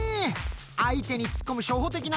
相手につっこむ初歩的なミス。